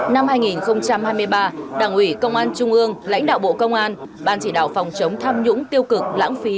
năm hai nghìn hai mươi ba đảng ủy công an trung ương lãnh đạo bộ công an ban chỉ đạo phòng chống tham nhũng tiêu cực lãng phí